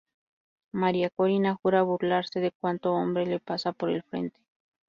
María Corina jura burlarse de cuanto hombre le pase por el frente.